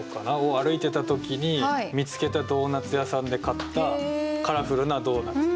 歩いてた時に見つけたドーナツ屋さんで買ったカラフルなドーナツで。